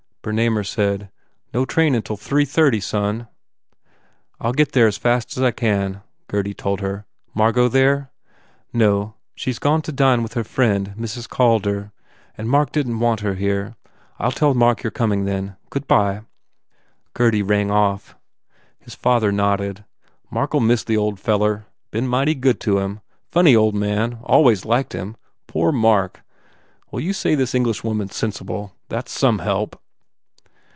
Bernamer said, "No train until three thirty, son." "I ll get there as fast as I can," Gurdy told her, "Margot there?" "No. She d gone to dine with her friend Mrs. Calder and Mark didn t want her here. I ll tell Mark you re coming, then. Good bye." Gurdy rang off. His father nodded, "Mark ll miss the old feller. Been mighty good to him. Funny old man. Always liked him. Poor Mark! Well, you say this Englishwoman s sen sible. That s some help."